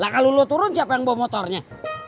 kalau lu turun siapa yang bawa motornya